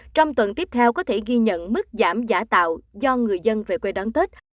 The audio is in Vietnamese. trong tuần tiếp theo có thể ghi nhận mức giảm giả tạo do người dân về quê đón tết